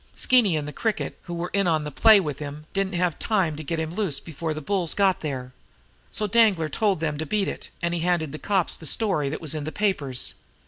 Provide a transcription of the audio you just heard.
Skeeny and the Cricket, who were in on the play with him, didn't have time to get him loose before the bulls got there. So Danglar told them to beat it, and he handed the cops the story that was in the papers.